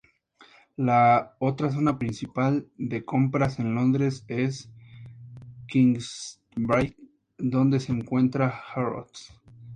La otra zona principal de compras en Londres es Knightsbridge, donde se encuentra Harrods.